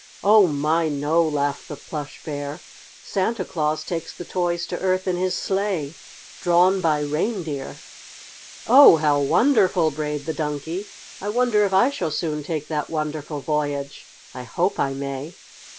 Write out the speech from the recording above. "Oh, my, no!" laughed the Plush Bear. "Santa Claus takes the toys to Earth in his sleigh, drawn by reindeer." "Oh, how wonderful!" brayed the Donkey. "I wonder if I shall soon take that wonderful voyage. I hope I may!"